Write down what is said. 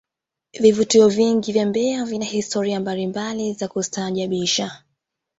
vivutio vingi vya mbeya vina historia mbalimbali za kustaajabisha